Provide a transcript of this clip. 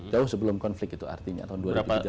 jauh sebelum konflik itu artinya tahun dua ribu empat belas